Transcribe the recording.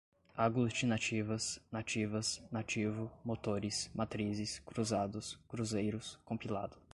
aglutinativas, nativas, nativo, motores, matrizes, cruzados, cruzeiros, compilado